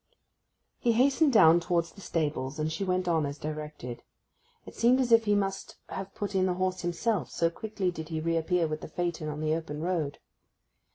He hastened down towards the stables, and she went on as directed. It seemed as if he must have put in the horse himself, so quickly did he reappear with the phaeton on the open road.